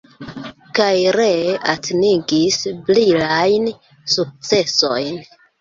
Kaj ree atingis brilajn sukcesojn.